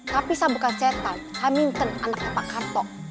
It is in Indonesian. tapi saya bukan setan saya minton anaknya pak kartok